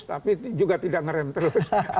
tapi juga tidak ngerem terus